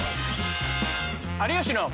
「有吉の」。